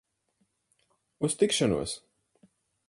Uz tikšanos!